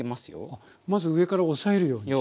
あっまず上から押さえるようにして。